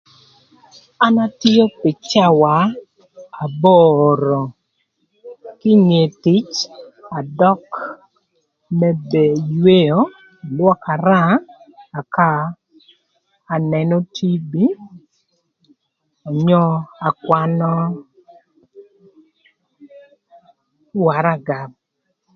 An atio pï cawa aboro, kinge tic adök më co yweo, ëka alwokara ëka anënö TV, onyo akwanö waraga.